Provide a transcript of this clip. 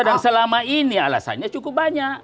selama ini alasannya cukup banyak